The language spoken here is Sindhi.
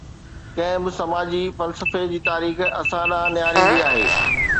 ڪنهن به سماجي فلسفي جي تاريخ اسان ڏانهن نهاريندي آهي.